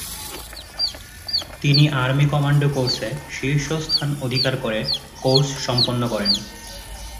তিনি army commando কোর্সে শীর্ষস্থান অধিকার করে কোর্স সম্পন্ন করেন।